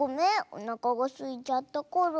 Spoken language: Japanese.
おなかがすいちゃったから。